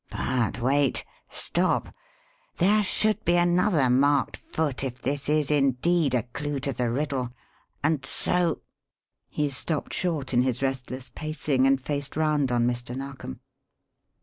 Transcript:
But wait! Stop there should be another marked foot if this is indeed a clue to the riddle, and so " He stopped short in his restless pacing and faced round on Mr. Narkom.